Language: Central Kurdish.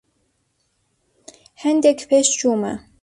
هەندێک پێشچوومە.